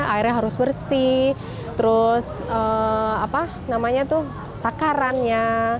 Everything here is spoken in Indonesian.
airnya harus bersih terus apa namanya tuh takarannya